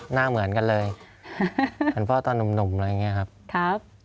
หน้าเหมือนกันเลยเหมือนพ่อตอนหนุ่มอะไรอย่างนี้ครับ